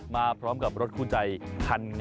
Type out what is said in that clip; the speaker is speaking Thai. มาพร้อมกับรถคู่ใจคันงามของผม